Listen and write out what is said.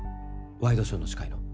ワイドショーの司会の。